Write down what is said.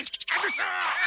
あ！